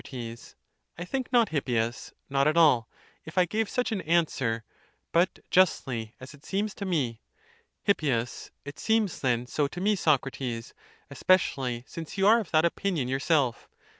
I think not, Hippias ; not at all; if I gave such an answer; but justly, as it seems to me. Hip. It seems then so to me, Socrates ; especially since you are of that opinion yourself.